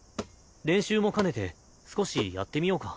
練習も兼ねて少しやってみようか？